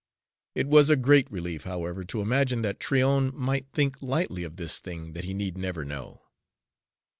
It was a great relief, however, to imagine that Tryon might think lightly of this thing that he need never know.